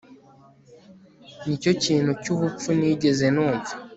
Nicyo kintu cyubupfu nigeze numva